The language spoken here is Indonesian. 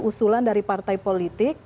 usulan dari partai politik